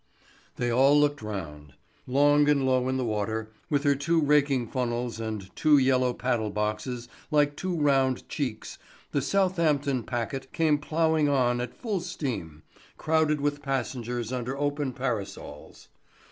They all looked round. Long and low in the water, with her two raking funnels and two yellow paddle boxes like two round cheeks, the Southampton packet came ploughing on at full steam, crowded with passengers under open parasols.